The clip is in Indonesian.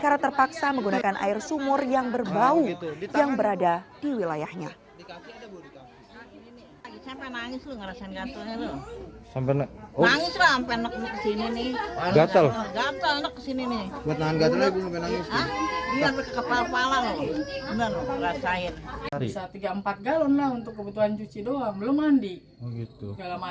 karena terpaksa menggunakan air sumur yang berbau yang berada di wilayahnya